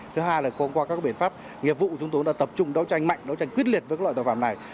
thứ hai là qua các biện pháp nghiệp vụ chúng tôi đã tập trung đấu tranh mạnh đấu tranh quyết liệt với các loại tội phạm này